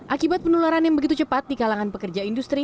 akibat penularan yang begitu cepat di kalangan pekerja industri